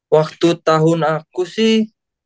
waktu tahun aku sih